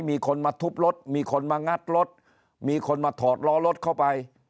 มีคนมาทุบรถมีคนมางัดรถมีคนมาถอดล้อรถเข้าไป